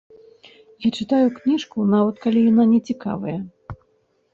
Я чытаю кніжку нават калі яна нецікавая.